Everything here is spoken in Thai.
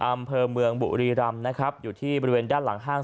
อำเภอเมืองบุรีรำนะครับอยู่ที่บริเวณด้านหลังห้าง